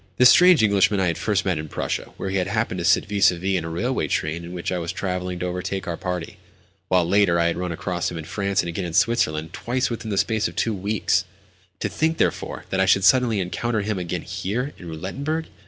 This strange Englishman I had met first in Prussia, where we had happened to sit vis à vis in a railway train in which I was travelling to overtake our party; while, later, I had run across him in France, and again in Switzerland—twice within the space of two weeks! To think, therefore, that I should suddenly encounter him again here, in Roulettenberg!